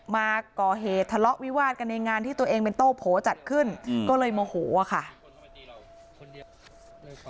มาก่อเหตุทะเลาะวิวาดกันในงานที่ตัวเองเป็นโต้โผจัดขึ้นก็เลยโมโหอะค่ะ